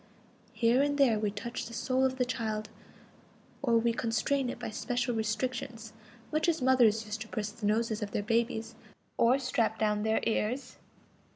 Here and there we touch the soul of the child, or we constrain it by special restrictions, much as mothers used to press the noses of their babies or strap down their ears.